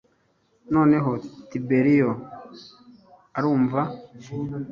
Noneho Tiberiyo arumva